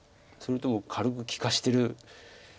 それとも軽く利かしてる。